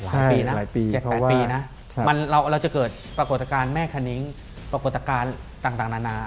ทั้งปีนะ๗๘ปีนะเราจะเกิดปรากฏการณ์แม่คณิ้งปรากฏการณ์ต่างนานา